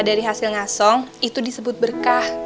dari hasil ngasong itu disebut berkah